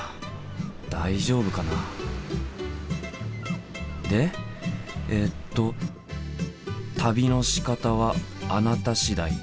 大丈夫かな？でえっと「旅のしかたはあなた次第。